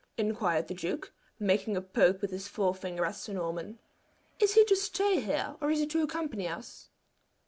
inquired the duke, making a poke with his forefinger at Sir Norman. "Is he to stay here, or is he to accompany us?"